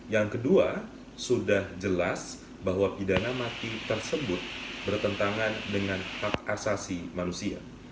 yang kedua sudah jelas bahwa pidana mati tersebut bertentangan dengan hak asasi manusia